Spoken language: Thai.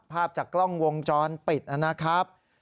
ภาพจากกล้องวงจรปิดนะครับ